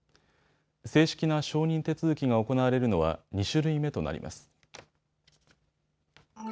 正式な承認手続きが行われるのは２種類目となります。